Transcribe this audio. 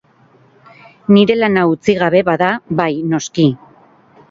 Nire lana utzi gabe bada, bai, noski.